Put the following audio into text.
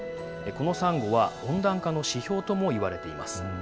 このサンゴは、温暖化の指標ともいわれています。